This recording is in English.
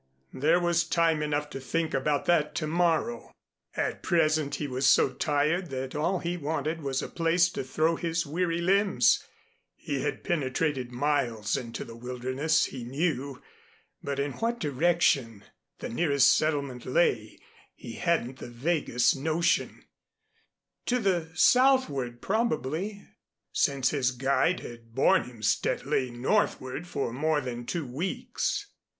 There was time enough to think about that to morrow. At present he was so tired that all he wanted was a place to throw his weary limbs. He had penetrated miles into the wilderness, he knew, but in what direction the nearest settlement lay he hadn't the vaguest notion to the southward probably, since his guide had borne him steadily northward for more than two weeks.